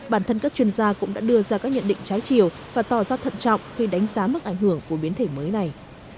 bản thân các chuyên gia cũng đã đưa ra các nhận định trái chiều và tỏ ra thận trọng khi đánh giá mức ảnh hưởng của biến thể mới này